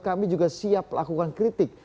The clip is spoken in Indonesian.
kami juga siap lakukan kritik